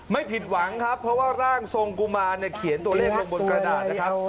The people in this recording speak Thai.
ไม่ผิดหวังครับเพราะว่าร่างทรงกุมารเนี่ยเขียนตัวเลขลงบนกระดาษนะครับ